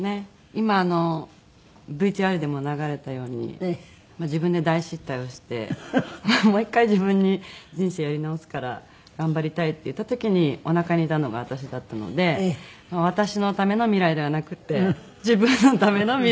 今ＶＴＲでも流れたように自分で大失態をしてもう１回自分に人生やり直すから頑張りたいって言った時におなかにいたのが私だったので私のための未来ではなくて自分のための未来に付けたようで。